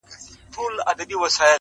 پر كورونو د بلا، ساه ده ختلې،